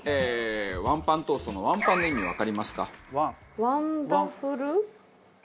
ワンパントーストのワンパンの意味わかりますか？